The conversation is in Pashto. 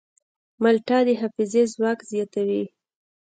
مالټه د حافظې ځواک زیاتوي.